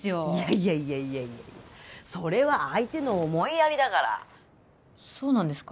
いやいやいやいやそれは相手の思いやりだからそうなんですか？